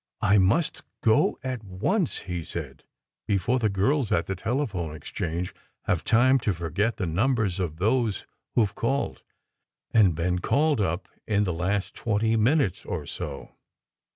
"I must go at once," he said, "before the girls at the telephone exchange have time to forget the numbers of those who ve called and been called up in the last twenty minutes or so.